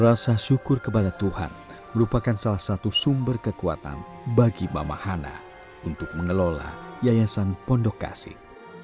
rasa syukur kepada tuhan merupakan salah satu sumber kekuatan bagi mama hana untuk mengelola yayasan pondok kasih